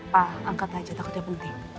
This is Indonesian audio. pak angkat aja takutnya penting